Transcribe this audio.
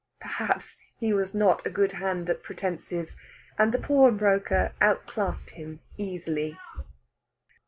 Perhaps he was not a good hand at pretences, and the pawnbroker outclassed him easily.